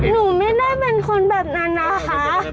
หนูไม่ได้เป็นคนแบบนั้นนะคะ